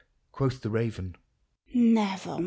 Quoth the raven, " Nevermore